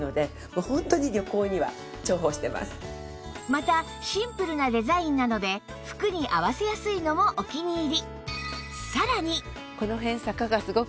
またシンプルなデザインなので服に合わせやすいのもお気に入り